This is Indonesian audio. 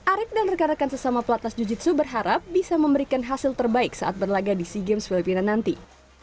arief dan rekan rekan sesama pelatnas jiu jitsu berharap bisa memberikan hasil terbaik saat berlaga di sea games filipina nanti